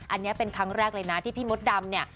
อันนี้เป็นครั้งแรกเลยนะที่พี่มดดำเนี่ย